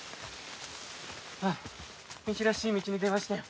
あっ道らしい道に出ましたよ。